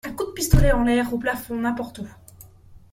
Un coup de pistolet en l'air, au plafond, n'importe où.